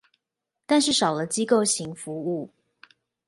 但是少了機構型服務